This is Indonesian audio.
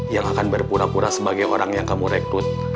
yang akan berpura pura sebagai orang yang kamu rekrut